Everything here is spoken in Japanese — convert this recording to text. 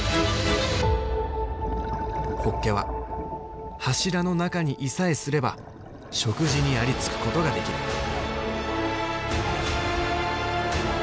ホッケは柱の中にいさえすれば食事にありつくことができる。